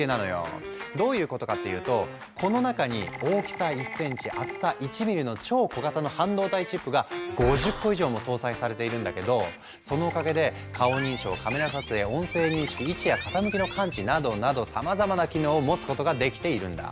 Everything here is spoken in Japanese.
どういうことかっていうとこの中に大きさ１センチ厚さ１ミリの超小型の半導体チップが５０個以上も搭載されているんだけどそのおかげで顔認証カメラ撮影音声認識位置や傾きの感知などなどさまざまな機能を持つことができているんだ。